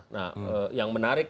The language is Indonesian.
nah yang menarik